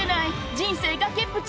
人生崖っぷち。